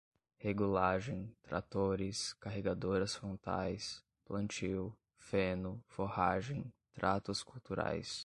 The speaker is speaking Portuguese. regulagem, tratores, carregadoras frontais, plantio, feno, forragem, tratos culturais